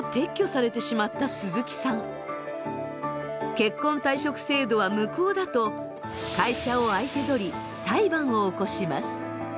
結婚退職制度は無効だと会社を相手どり裁判を起こします。